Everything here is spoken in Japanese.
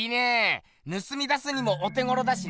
ぬすみ出すにもお手ごろだしな！